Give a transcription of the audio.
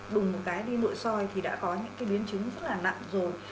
đùng một cái đi nội soi thì đã có những cái biến chứng rất là nặng rồi